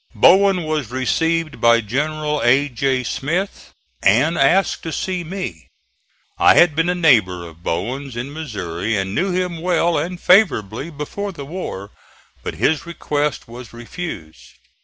Bowen was received by General A. J. Smith, and asked to see me. I had been a neighbor of Bowen's in Missouri, and knew him well and favorably before the war; but his request was refused.